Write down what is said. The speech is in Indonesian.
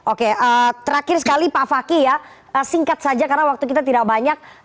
oke terakhir sekali pak fakih ya singkat saja karena waktu kita tidak banyak